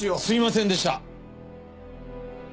すみませんでした！